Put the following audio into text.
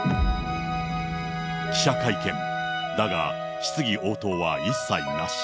記者会見、だが、質疑応答は一切なし。